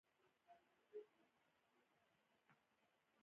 پروپوزل او ماداوزل هم د دوی لپاره.